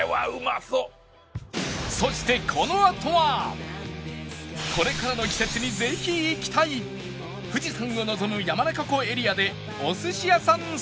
そしてこれからの季節にぜひ行きたい富士山を望む山中湖エリアでお寿司屋さん探し